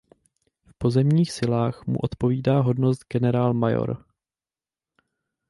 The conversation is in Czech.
V pozemních silách mu odpovídá hodnost generálmajor.